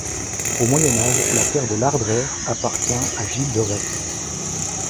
Au Moyen Âge, la terre de l'Ardrère appartient à Gilles de Rais.